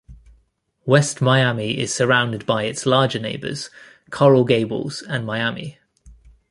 West Miami is surrounded by its larger neighbors, Coral Gables and Miami.